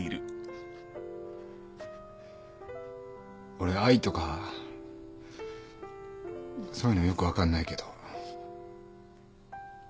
俺愛とかそういうのよく分かんないけど。